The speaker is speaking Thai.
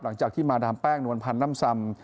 หลังจากที่มาดามแป้งนวลพันธ์ล่ำซำ